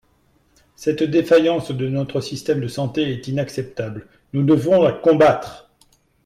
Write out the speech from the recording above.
Cette défaillance de notre système de santé est inacceptable, nous devons la combattre.